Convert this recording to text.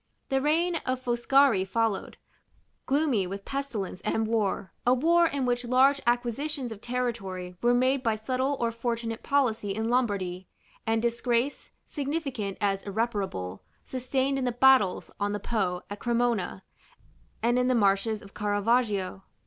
The reign of Foscari followed, gloomy with pestilence and war; a war in which large acquisitions of territory were made by subtle or fortunate policy in Lombardy, and disgrace, significant as irreparable, sustained in the battles on the Po at Cremona, and in the marshes of Caravaggio.